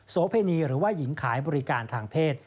โเพณีหรือว่าหญิงขายบริการทางเพศ